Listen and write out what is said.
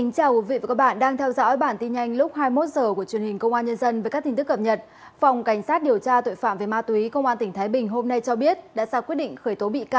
cảm ơn các bạn đã theo dõi